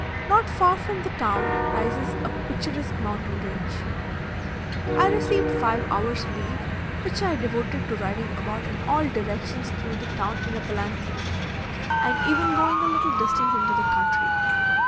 Not far from the town rises a picturesque mountain range. I received five hours' leave, which I devoted to riding about in all directions through the town in a palanquin, and even going a little distance into the country.